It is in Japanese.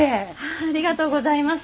ありがとうございます。